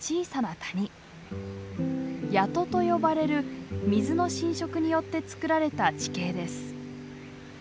「谷戸」と呼ばれる水の浸食によってつくられた地形です。